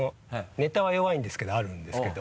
ネタは弱いんですけどあるんですけど。